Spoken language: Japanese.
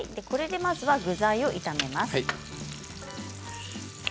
これでまず具材を炒めます。